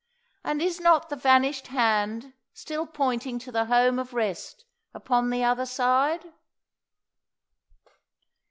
and is not the vanished hand still pointing to the home of rest upon the other side?"